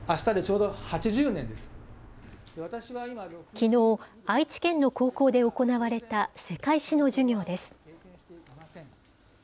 きのう、愛知県の高校で行われた世界史の授業です。